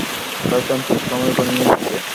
শয়তান, তোর সময় ঘনিয়ে এসেছে।